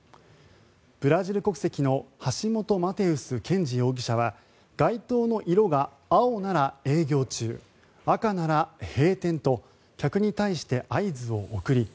ブラジル国籍のハシモト・マテウス・ケンジ容疑者は外灯の色が青なら営業中赤なら閉店と客に対して合図を送り